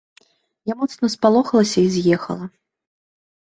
Я моцна спалохалася і з'ехала.